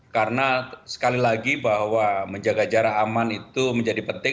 karena sekali lagi bahwa menjaga jarak aman itu menjadi penting